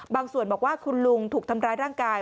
ส่วนบอกว่าคุณลุงถูกทำร้ายร่างกาย